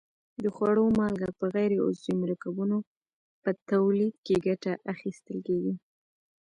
د خوړو مالګه په غیر عضوي مرکبونو په تولید کې ګټه اخیستل کیږي.